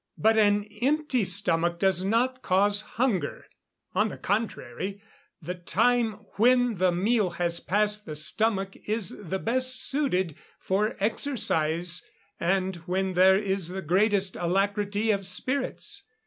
But an empty stomach does not cause hunger. On the contrary, the time when the meal has passed the stomach is the best suited for exercise, and when there is the greatest alacrity of spirits.